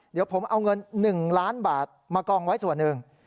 เดี๋ยวผมเอาเงิน๑ล้านบาทมากองไว้ส่วนหนึ่ง